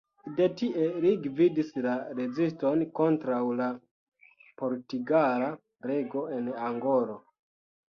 De tie li gvidis la reziston kontraŭ la portugala rego en Angolo.